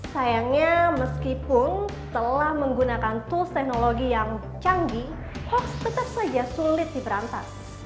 sayangnya meskipun telah menggunakan tools teknologi yang canggih hoax tetap saja sulit diberantas